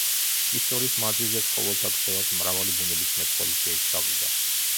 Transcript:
ისტორიის მანძილზე ცხოველთა ქცევას მრავალი ბუნებისმეტყველი შეისწავლიდა.